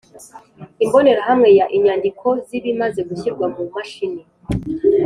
Imbonerahamwe ya Inyandiko zibimaze gushyirwa mu mashini